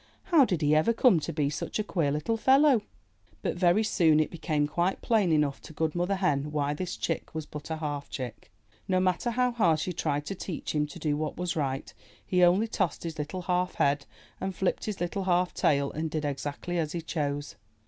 ''How did he ever come to be such a queer little fellow?' But very soon it be came quite plain even to good Mother Hen why this chick was but a half chick. No matter how hard she tried to teach him to do what was right, he only tossed his little half head and flipped his little half tail and did exactly as he chose.